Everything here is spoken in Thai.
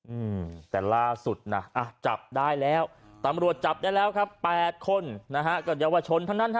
อืมแต่ล่าสุดน่ะอ่ะจับได้แล้วตำรวจจับได้แล้วครับแปดคนนะฮะก็เยาวชนทั้งนั้นฮะ